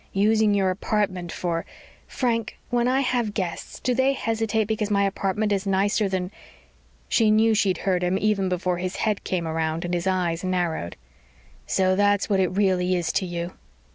"Using your apartment for " "Frank! When I have guests, do they hesitate because my apartment is nicer than ?" She knew she'd hurt him even before his head came around and his eyes narrowed. "So that's what it really is to you!"